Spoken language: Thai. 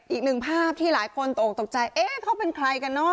อีกหนึ่งภาพที่หลายคนตกตกใจเอ๊ะเขาเป็นใครกันเนอะ